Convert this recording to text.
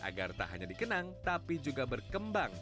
agar tak hanya dikenang tapi juga berkembang